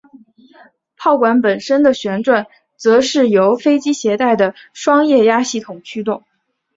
炮管本身的旋转则是由飞机携带的双液压系统驱动。